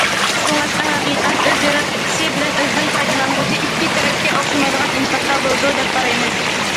شۇڭلاشقا، ھەقىقەت ئۆز ياراتقۇچىسى بىلەن ئۆزىدىن پايدىلانغۇچى ئىككى تەرەپكە، ئوخشىمايدىغان ئىنكاستا بولىدۇ، دەپ قارايمىز.